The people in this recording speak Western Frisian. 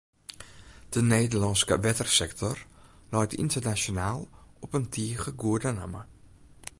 De Nederlânske wettersektor leit ynternasjonaal op in tige goede namme.